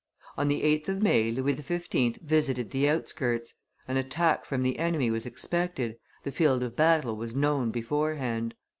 On the 8th of May Louis XV. visited the outskirts; an attack from the enemy was expected, the field of battle was known beforehand.